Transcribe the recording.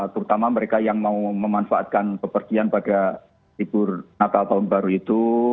terutama mereka yang mau memanfaatkan pepergian pada libur natal tahun baru itu